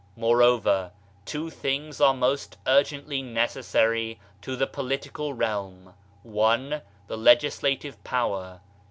Moreover two things are most urgently neces sary to the political realm: 1. The Legislative Power.